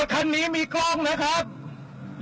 คันนี้มีกล้องนะครับ